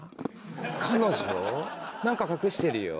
彼女なんか隠してるよ。